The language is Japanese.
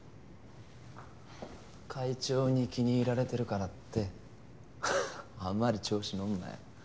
会長に気に入られてるからってあんまり調子のんなよ。